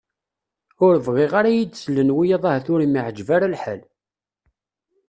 Ue bɣiɣ ara ad iyi-d-slen wiyaḍ ahat ur am-iɛeǧǧeb ara lḥal.